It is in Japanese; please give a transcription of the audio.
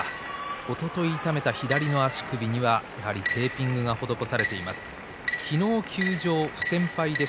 おととい痛めた左の足首にはやはりテーピングが施されています。